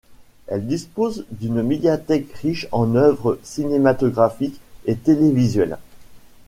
Elle dispose d’une médiathèque riche en œuvres cinématographiques et télévisuelles.